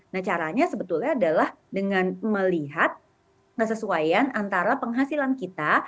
nah caranya sebetulnya adalah dengan melihat kesesuaian antara penghasilan kita